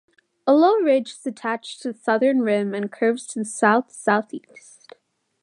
A low ridge is attached to the southern rim, and curves to the south-southeast.